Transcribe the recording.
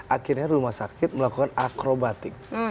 akhirnya rumah sakit melakukan akrobatik